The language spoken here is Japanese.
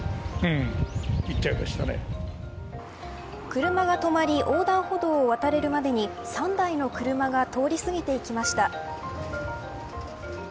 車が止まり横断歩道を渡れるまでに３台の車が通り過ぎていきました。